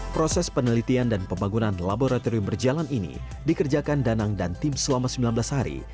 proses penelitian dan pembangunan laboratorium berjalan ini dikerjakan danang dan tim selama sembilan belas hari